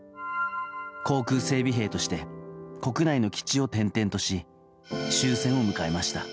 航空整備兵として国内の基地を転々とし終戦を迎えました。